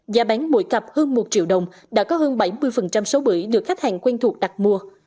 giá bán mỗi cặp hơn một triệu đồng đã có hơn bảy mươi số bưởi được khách hàng quen thuộc đặt mua